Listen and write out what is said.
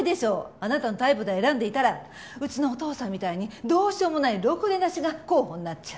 あなたのタイプで選んでいたらうちのお父さんみたいにどうしようもないろくでなしが候補になっちゃう。